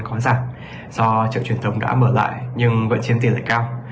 có giảm do chợ truyền thống đã mở lại nhưng vẫn chiếm tỷ lệ cao